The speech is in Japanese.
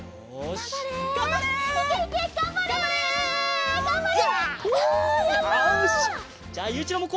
がんばれ！